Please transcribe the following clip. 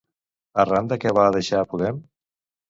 Arran de què va deixar Podem?